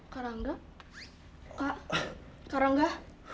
kak rangga kak kak rangga